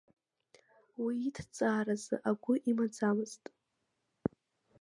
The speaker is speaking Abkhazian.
Уи иҭҵааразы агәы имаӡамызт.